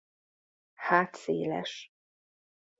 Hát széles.